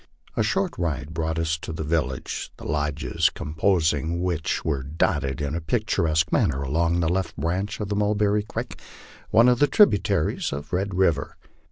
A short ride brought us to the village, the lodges com posing which were dotted in a picturesque manner along the left branch of Mulberry creek, one of the tributaries of Red river.